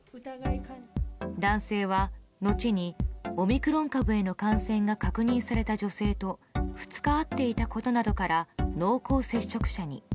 男性は、後にオミクロン株への感染が確認された女性と２日会っていたことなどから濃厚接触者に。